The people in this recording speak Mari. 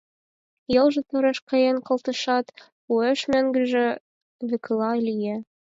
Йолжо тореш каен колтышат, уэш мӧҥгыжӧ векыла лие.